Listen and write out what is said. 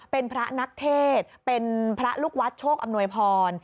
เป็นพระนักเทศเป็นพระลูกวัดโชคอำนวยพร